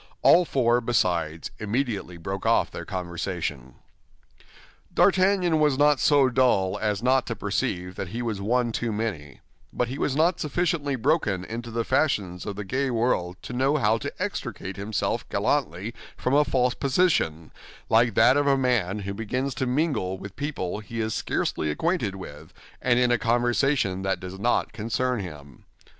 All four, besides, immediately broke off their conversation. D'Artagnan was not so dull as not to perceive that he was one too many; but he was not sufficiently broken into the fashions of the gay world to know how to extricate himself gallantly from a false position, like that of a man who begins to mingle with people he is scarcely acquainted with and in a conversation that does not concern him.